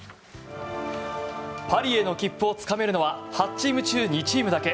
パリへの切符をつかめるのは８チーム中２チームだけ。